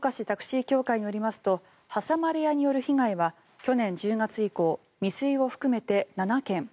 タクシー協会によりますと挟まれ屋による被害は去年１０月以降未遂を含めて７件。